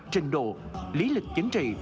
trình độ lý lịch chính trị